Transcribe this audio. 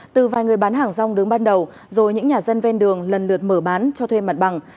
từ vài người bán hàng rong đứng ban đầu rồi những nhà dân ven đường lần lượt mở bán cho thuê mặt bằng